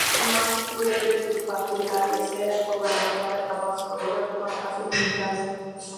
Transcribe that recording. El más visible de sus partidarios era el Gobernador de Tabasco, Roberto Madrazo Pintado.